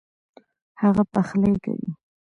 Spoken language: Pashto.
هغه پخلی کوي